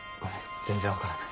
全然分からない。